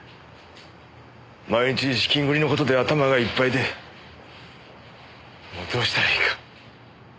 毎日資金繰りの事で頭がいっぱいでもうどうしたらいいか。